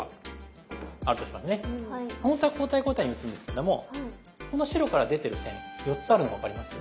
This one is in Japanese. ほんとは交代交代に打つんですけどもこの白から出てる線４つあるの分かります？